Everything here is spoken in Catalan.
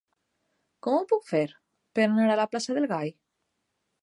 Com ho puc fer per anar a la plaça del Gall?